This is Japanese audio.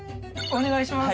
お願いします。